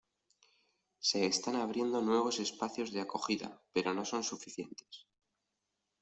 Se están abriendo nuevos espacios de acogida, pero no son suficientes.